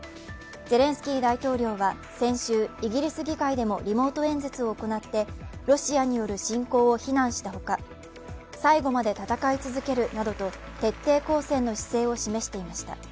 ゼレンスキー大統領は、先週イギリス議会でもリモート演説を行ってロシアによる侵攻を非難したほか、最後まで戦い続けるなどと徹底抗戦の姿勢を示していました。